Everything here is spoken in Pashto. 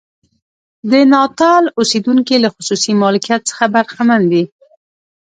د ناتال اوسېدونکي له خصوصي مالکیت څخه برخمن دي.